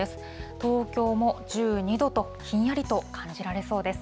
東京も１２度と、ひんやりと感じられそうです。